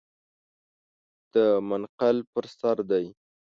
د منقل پر سر دی .